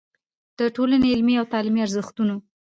د ټولنې علمي او تعليمي ارزښتونو